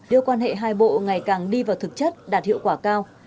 đưa quan hệ hai bộ ngày càng đi vào thực chất đạt hiệu quả cao